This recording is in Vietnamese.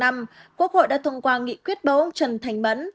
quốc hội đã thông qua nghị quyết bầu ông trần thành mẫn